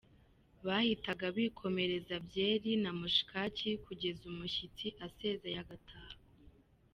Bahitaga bikomereza byeri na mushikaki kugeza umushitsi asezeye agataha.